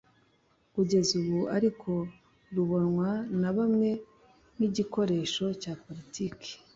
Kugeza ubu ariko rubonwa na bamwe nk’igikoresho cya politiki